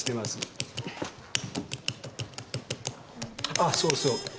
あっそうそう。